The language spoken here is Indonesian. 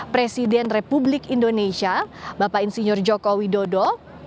presiden republik indonesia bapak insinyur joko widodo